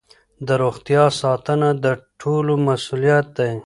د روغتیا ساتنه د ټولو مسؤلیت دی.